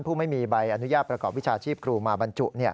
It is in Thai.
ไม่มีใบอนุญาตประกอบวิชาชีพครูมาบรรจุ